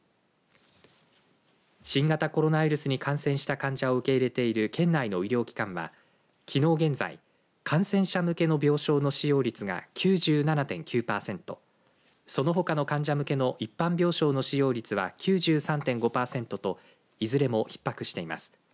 新型コロナウイルスに感染した患者を受け入れている県内の医療機関は、きのう現在感染者向けの病床の使用率が９７．９パーセントそのほかの患者向けの一般病床の使用率は９３．５パーセントと、いずれもひっ迫しています。